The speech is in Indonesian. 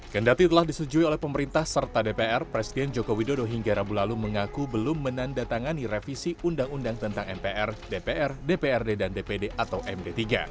kendati telah disetujui oleh pemerintah serta dpr presiden joko widodo hingga rabu lalu mengaku belum menandatangani revisi undang undang tentang mpr dpr dprd dan dpd atau md tiga